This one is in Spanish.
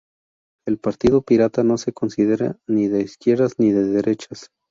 El Partido Pirata no se considera ni de izquierdas ni de derechas.